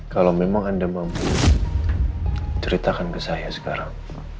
kalau memang anda mampu ceritakan ke saya sekarang